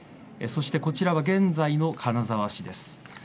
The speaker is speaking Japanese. こちらは現在の金沢市です。